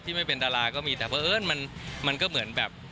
ที่ไม่เป็นดาราก็มีแต่เผอิญมันก็เหมือนแบบ